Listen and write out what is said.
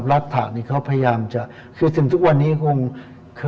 และมีกลุ่มองค์กร